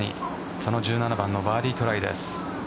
その１７番のバーディートライです。